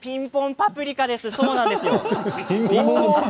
パプリカです。